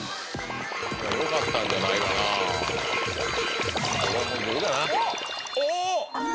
よかったんじゃないかなおぉ！